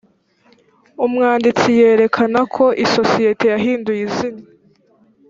umwanditsi yerekana ko isosiyete yahinduye izina